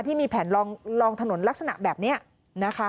ที่มีแผนลองถนนลักษณะแบบนี้นะคะ